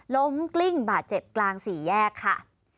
กลิ้งบาดเจ็บกลางสี่แยกค่ะ